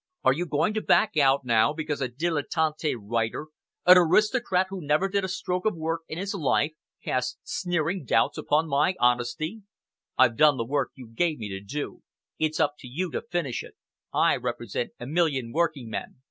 Are you going to back out now, because a dilettante writer, an aristocrat who never did a stroke of work in his life, casts sneering doubts upon my honesty? I've done the work you gave me to do. It's up to you to finish it, I represent a million working men.